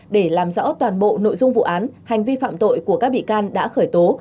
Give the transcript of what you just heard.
để làm rõ toàn bộ nội dung vụ án hành vi phạm tội của các bị can đã khởi tố